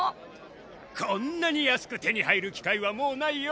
こんなに安く手に入る機会はもうないよ！